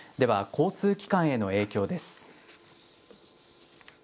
交通機関への影響です。